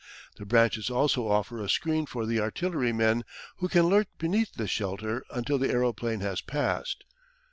The branches also offer a screen for the artillerymen, who can lurk beneath this shelter until the aeroplane has passed.